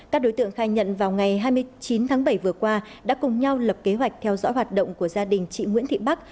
các đối tượng khai nhận vào ngày hai mươi chín tháng bảy vừa qua đã cùng nhau lập kế hoạch theo dõi hoạt động của gia đình chị nguyễn thị bắc